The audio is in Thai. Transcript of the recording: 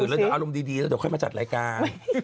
่อยู่เลยดูอารมณ์ดีเดี๋ยวมาจัดรายการ